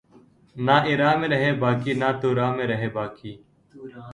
نہ ایراں میں رہے باقی نہ توراں میں رہے باقی